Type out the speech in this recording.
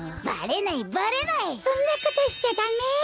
そんなことしちゃダメ！